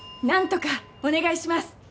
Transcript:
何とかお願いします。